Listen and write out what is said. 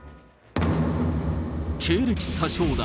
経歴詐称だ。